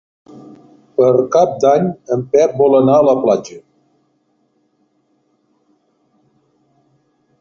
Per Cap d'Any en Pep vol anar a la platja.